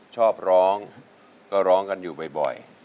ชอบร้องก็ร้องกันอยู่บ่อย